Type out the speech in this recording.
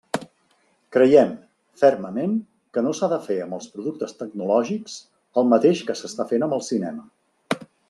Creiem, fermament, que no s'ha de fer amb els productes tecnològics el mateix que s'està fent amb el cinema.